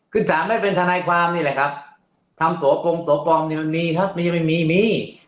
คือสามารถไม่ได้เป็นธนายความนี่แหละครับทำตัวปลงตัวปลอมมีครับมีมีมีมี